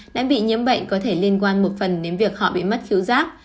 đã bị nhiễm bệnh có thể liên quan một phần đến việc họ bị mất khiếu giác